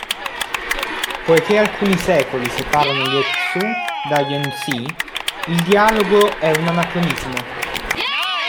Poiché alcuni secoli separano Lieh-tzu da Yin Hsi, il dialogo è un anacronismo.